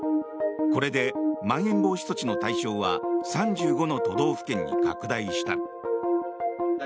これで、まん延防止措置の対象は３５の都道府県に拡大した。